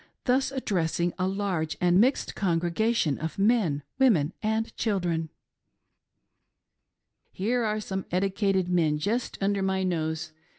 thus addressing a large and mixed congregation of men, women, and children :" Here are some edicated men jest under my nose.